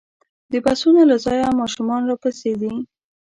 د بسونو له ځایه ماشومان راپسې دي.